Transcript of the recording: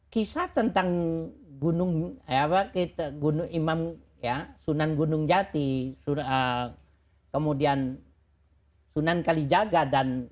kisah tentang gunung imam ya sunan gunung jati kemudian sunan kalijaga dan